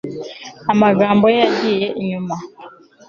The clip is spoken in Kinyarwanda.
Amagambo ye yagiye inyuma